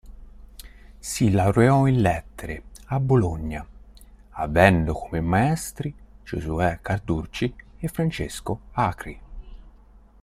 Si laureò in Lettere a Bologna, avendo come maestri Giosuè Carducci e Francesco Acri.